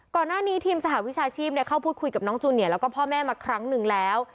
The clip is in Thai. ก่อนหน้านี้ทีมสหวิชาชีพเข้าพูดคุยกับน้องจูเนียแล้วก็พ่อแม่มาครั้งหนึ่งแล้ว